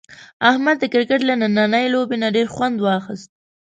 احمد د کرکټ له نننۍ لوبې نه ډېر خوند واخیست.